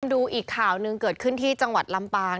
ดูอีกข่าวหนึ่งเกิดขึ้นที่จังหวัดลำปาง